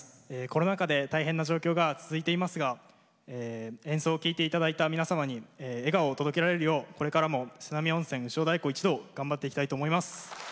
コロナ禍で大変な状況が続いていますが演奏を聴いて頂いた皆様に笑顔を届けられるようこれからも瀬波温泉潮太鼓一同頑張っていきたいと思います。